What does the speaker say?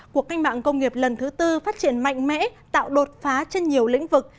cuộc cách mạng công nghiệp lần thứ tư phát triển mạnh mẽ tạo đột phá trên nhiều lĩnh vực